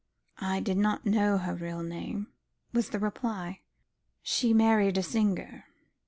"I did not know her real name," was the reply; "she married a singer.